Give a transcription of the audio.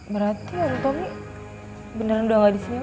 berarti om tommy beneran udah gak disini lagi dong